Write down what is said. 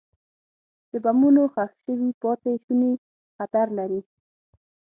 د بمونو ښخ شوي پاتې شوني خطر لري.